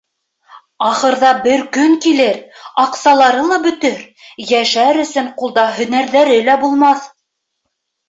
Ахырҙа бер көн килер, аҡсалары ла бөтөр, йәшәр өсөн ҡулда һөнәрҙәре лә булмаҫ.